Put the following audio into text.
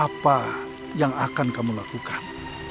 apa yang akan kamu lakukan